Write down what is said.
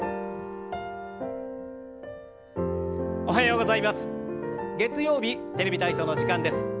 おはようございます。